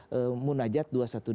dan juga menajat dua ratus dua belas